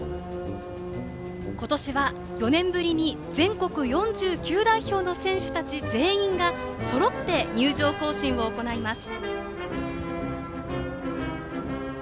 今年は４年ぶりに全国４９代表の選手たち全員がそろって入場行進を行います。